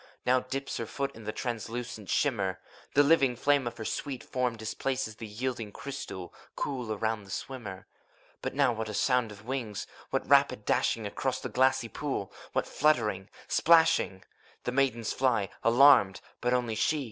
Now dips her foot in the translucent shimmer: The living flame of her sweet form displaces The yielding crystal, cool around the swimmer. But what a sound of wings ! What rapid dashing Across the glassy pool, what fluttering, splashing! The maidens fly, alarmed; but only she.